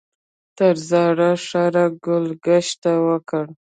تر زاړه ښاره ګل ګشت وکړ.